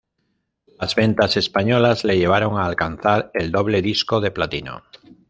Las ventas españolas le llevaron a alcanzar el doble disco de platino.